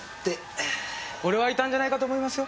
俺はいたんじゃないかと思いますよ。